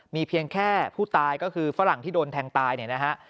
มีเพียงแค่ผู้ตายก็คือฝรั่งที่โดนแทงตายเนี่ยนะฮะ